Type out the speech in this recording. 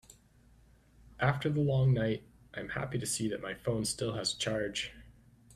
After the long night, I am happy to see that my phone still has a charge.